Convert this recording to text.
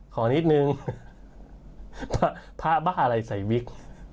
ขอนิดนึงว่าพระบ้าอะไรใส่วิก